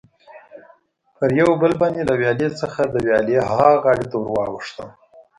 پر یو پل باندې له ویالې څخه د ویالې ها غاړې ته ور واوښتم.